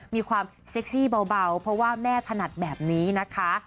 มีความเซ็กซี่เบาเพราะว่าแม่ถนัดแบบนี้นะคะ